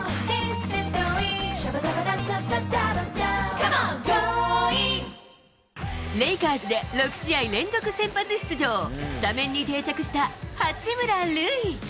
この後レイカーズで６試合連続先発出場、スタメンに定着した八村塁。